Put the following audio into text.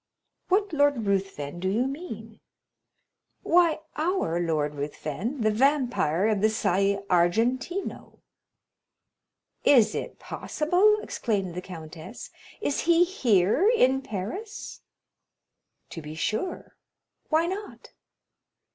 "What Lord Ruthven do you mean?" "Why, our Lord Ruthven—the Vampire of the Salle Argentina!" "Is it possible?" exclaimed the countess; "is he here in Paris?" "To be sure,—why not?"